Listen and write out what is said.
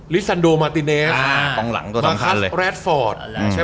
ลิซันโดมาติเนสมาคัทแรดฟอร์ต